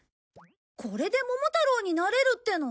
これで桃太郎になれるっての？